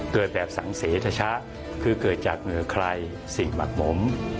เกิดแบบสังเสชะคือเกิดจากเหงื่อใครสิ่งหมักหมม